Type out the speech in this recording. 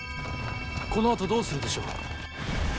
このあとどうするでしょう？